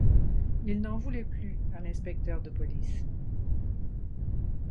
Il n’en voulait plus à l’inspecteur de police.